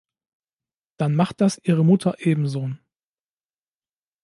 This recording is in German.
Dann macht das ihre Mutter ebenso.